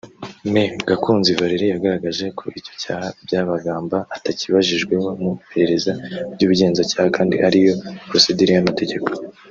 Me Gakunzi Varely yagaragaje ko icyo cyaha Byabagamba atakibajijweho mu iperereza ry’ubugenzacyaha kandi ariyo ‘procedure’ y’amategeko